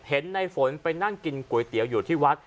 เห็นในฝนไปนั่งกินก๋วยเตี๋ยวอยู่ที่วัด